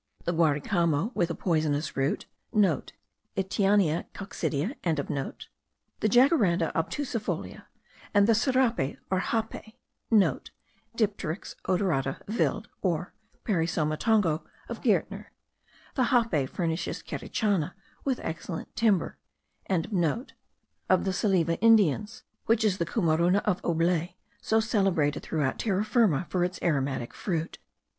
the guaricamo, with a poisonous root;* (* Ityania coccidea.) the Jacaranda obtusifolia; and the serrape, or jape* (* Dipterix odorata, Willd. or Baryosma tongo of Gaertner. The jape furnishes Carichana with excellent timber.) of the Salive Indians, which is the Coumarouna of Aublet, so celebrated throughout Terra Firma for its aromatic fruit.